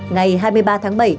ngày hai mươi ba tháng bảy